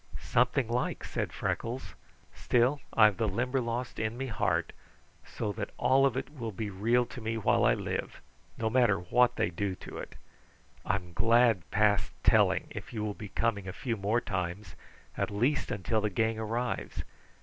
"Something like," said Freckles. "Still, I've the Limberlost in me heart so that all of it will be real to me while I live, no matter what they do to it. I'm glad past telling if you will be coming a few more times, at least until the gang arrives.